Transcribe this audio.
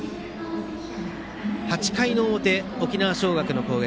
８回の表、沖縄尚学の攻撃。